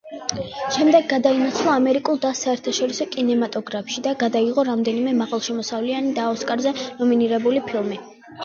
შემდეგ გადაინაცვლა ამერიკულ და საერთაშორისო კინემატოგრაფში და გადაიღო რამდენიმე მაღალშემოსავლიანი და ოსკარზე ნომინირებული ფილმი.